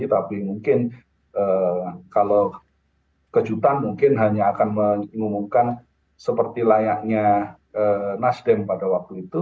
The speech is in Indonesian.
tapi mungkin kalau kejutan mungkin hanya akan mengumumkan seperti layaknya nasdem pada waktu itu